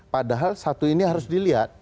padahal satu ini harus dilihat